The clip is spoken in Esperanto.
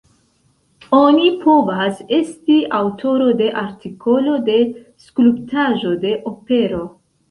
Oni povas esti aŭtoro de artikolo, de skulptaĵo, de opero.